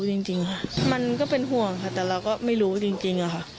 จริงค่ะมันก็เป็นห่วงค่ะแต่เราก็ไม่รู้จริงอะค่ะ